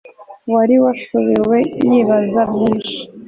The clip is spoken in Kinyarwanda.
wari washobewe yibaza byinshi